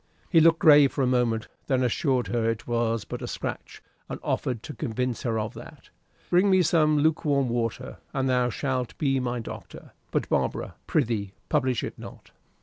He looked grave for a moment, then assured her it was but a scratch, and offered to convince her of that. "Bring me some luke warm water, and thou shalt be my doctor. But, Barbara, prithee publish it not."